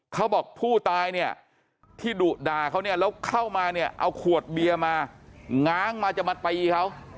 เขาบอกผู้ตายเนี่ยที่ดุด่าเขาเนี่ยแล้วเข้ามาเนี่ยเอาขวดเบียร์มาง้างมาจะมาตีเขา